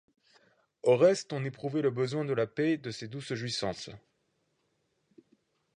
Au reste on éprouvait le besoin de la paix et de ses douces jouissances.